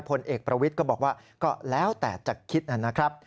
ผลเอกประวิทย์ก็บอกว่าก็แล้วแต่จะคิดนะครับ